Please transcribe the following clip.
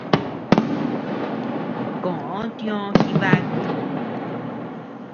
Koʼo tiö Jibaku.